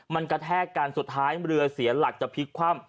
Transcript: มันกระแทกกันสุดท้ายเรือเสียหลักจะพลิกคว่ำ